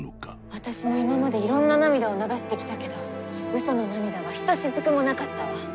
私も今までいろんな涙を流してきたけど嘘の涙はひとしずくもなかったわ。